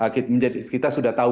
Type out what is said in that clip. kita sudah tahu